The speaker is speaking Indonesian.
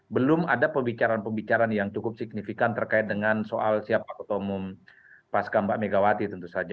belum ada pembicaraan pembicaraan yang cukup signifikan terkait dengan soal siapa ketua umum pasca mbak megawati tentu saja